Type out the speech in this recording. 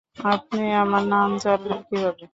আপনি আমার নাম জানলেন কীভাবে?